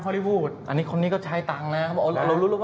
ฮอลลี่วูดอันนี้คนนี้ก็ใช้ตังค์นะฮะเขาบอกเรารู้แล้ว